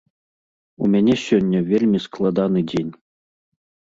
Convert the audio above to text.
У мяне сёння вельмі складаны дзень.